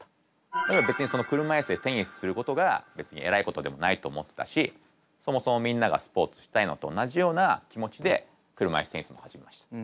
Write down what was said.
だから車いすでテニスすることが別に偉いことでもないと思ってたしそもそもみんながスポーツしたいのと同じような気持ちで車いすテニスも始めました。